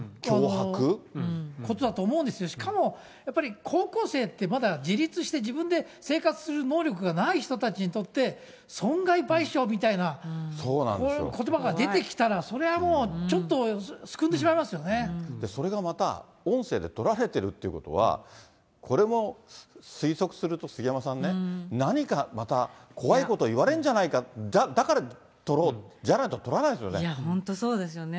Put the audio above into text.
ことだと思うんですよ、しかも、やっぱり高校生って、まだ自立して自分で生活する能力がない人たちにとって、損害賠償みたいな、こういうことばが出てきたら、それはもう、それがまた、音声で撮られてるっていうことは、これも推測すると、杉山さんね、何かまた怖いこと言われんじゃないか、だから撮ろう、本当そうですよね。